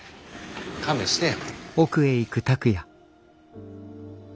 勘弁してよ。